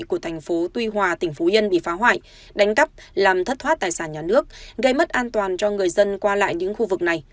của thành phố tuy hòa tỉnh phú yên bị phá hoại đánh cắp làm thất thoát tài sản nhà nước gây mất an toàn cho người dân qua lại những khu vực này